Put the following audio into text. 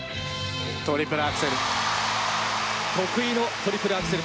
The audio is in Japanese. トリプルアクセル。